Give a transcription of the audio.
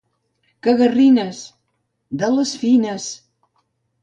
—Cagarrines. —De les fines.